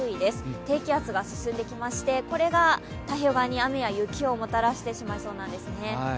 低気圧が進んで来まして、これが太平洋側に雨や雪をもたらしそうなんですね。